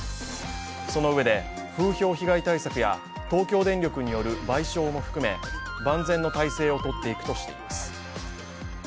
そのうえで、風評被害対策や東京電力による賠償も含め、万全の体制をとっていくとしています。